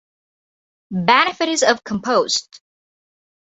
Benefits of compost